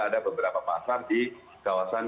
ada beberapa pasar di kawasan